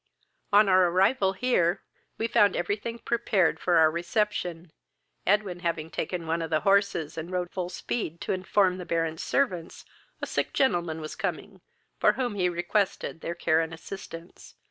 On our arrival here, we found every thing prepared for our reception, Edwin having taken one of the horses, and rode full speed to inform the Baron's servants a sick gentleman was coming, for whom he requested their care and assistance.